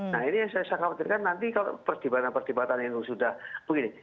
nah ini yang saya khawatirkan nanti kalau pertimbangan pertimbangan yang sudah begini